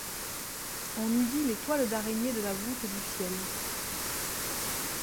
On eût dit les toiles d’araignée de la voûte du ciel.